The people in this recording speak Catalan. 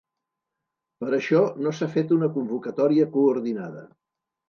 Per això no s’ha fet una convocatòria coordinada.